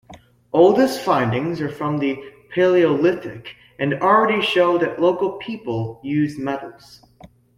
Oldest findings are from the Paleolithic and already show that local people used metals.